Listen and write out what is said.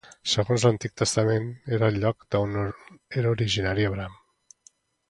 Segons l'Antic Testament, era el lloc d'on era originari Abraham.